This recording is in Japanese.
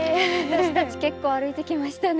私たち結構歩いてきましたね。